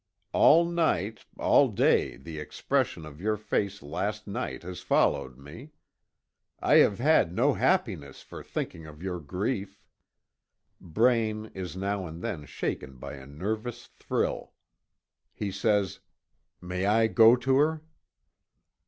All night, all day the expression of your face last night has followed me. I have had no happiness for thinking of your grief." Braine is now and then shaken by a nervous thrill. He says: "May I go to her?"